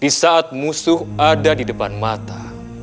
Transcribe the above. di saat musuh ada di depan mata